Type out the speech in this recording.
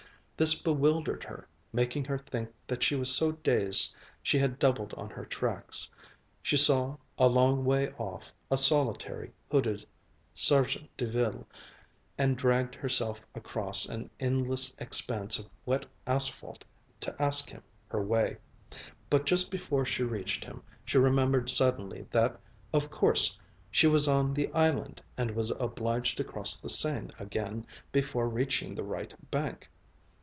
This bewildered her, making her think that she was so dazed she had doubled on her tracks. She saw, a long way off, a solitary hooded sergent de ville, and dragged herself across an endless expanse of wet asphalt to ask him her way. But just before she reached him, she remembered suddenly that of course she was on the island and was obliged to cross the Seine again before reaching the right bank.